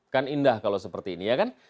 kan indah kalau seperti ini ya kan